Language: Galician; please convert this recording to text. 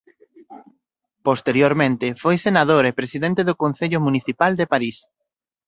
Posteriormente foi senador e presidente do concello municipal de París.